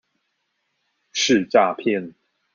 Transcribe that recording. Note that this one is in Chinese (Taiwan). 是詐騙